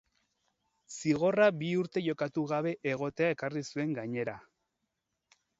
Zigorra bi urte jokatu gabe egotea ekarri zuen gainera.